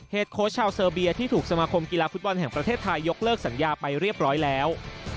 โค้ชชาวเซอร์เบียที่ถูกสมาคมกีฬาฟุตบอลแห่งประเทศไทยยกเลิกสัญญาไปเรียบร้อยแล้ว